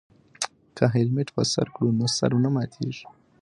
که هیلمټ په سر کړو نو سر نه ماتیږي.